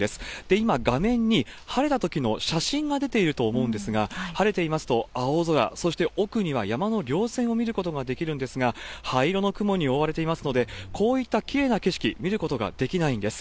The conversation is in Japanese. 今、画面に晴れたときの写真が出ていると思うんですが、晴れていますと青空、そして奥には山のりょう線を見ることができるんですが、灰色の雲に覆われていますので、こういったきれいな景色、見ることができないんです。